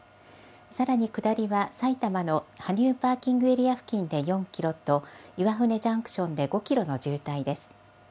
さらに下りは、埼玉の羽生パーキングエリア付近で４キロと岩舟ジャンクションで５キロの渋滞です。